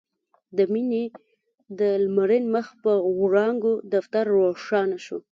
د مينې د لمرين مخ په وړانګو دفتر روښانه شو.